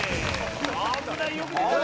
危ないよく出たね。